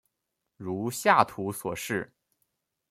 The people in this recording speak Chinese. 如下图所示。